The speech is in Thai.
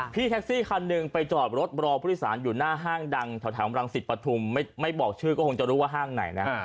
พี่แท็กซี่คันหนึ่งไปจอดรถรอผู้โดยสารอยู่หน้าห้างดังแถวรังสิตปฐุมไม่บอกชื่อก็คงจะรู้ว่าห้างไหนนะ